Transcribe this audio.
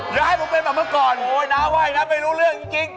เดี๋ยวให้ผมเป็นแบบเมื่อก่อนโอ้ยน้าว่าอย่างนั้นไม่รู้เรื่องจริง